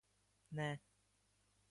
Nē.